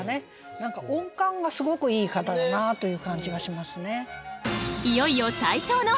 何か音感がすごくいい方だなという感じがしますね。